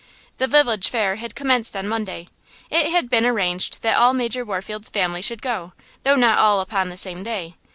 The village fair had commenced on Monday. It had been arranged that all Major Warfield's family should go, though not all upon the same day.